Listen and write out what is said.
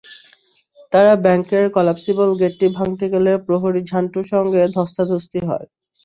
তারা ব্যাংকের কলাপসিবল গেটটি ভাঙতে গেলে প্রহরী ঝান্টুর সঙ্গে ধস্তাধস্তি হয়।